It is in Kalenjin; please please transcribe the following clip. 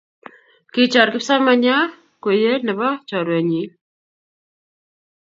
Kichor kipsomanian kweye ne bo chorwenyii